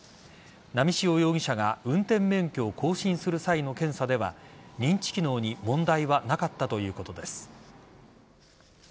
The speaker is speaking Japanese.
波汐容疑者が運転免許を更新する際の検査では認知機能に問題はなかったということです。